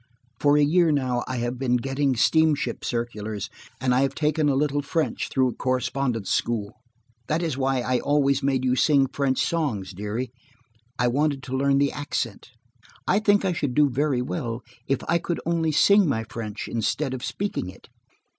For a year now I have been getting steamship circulars, and I have taken a little French through a correspondence school. That was why I always made you sing French songs, dearie: I wanted to learn the accent. I think I should do very well if I could only sing my French instead of speaking it.